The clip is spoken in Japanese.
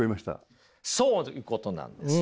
そういうことなんです。